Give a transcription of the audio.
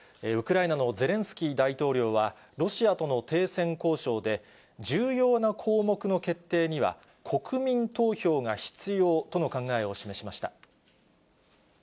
ウクライナのゼレンスキー大統領は、ロシアとの停戦交渉で、重要な項目の決定には、国民投票が必要との考えを示しました。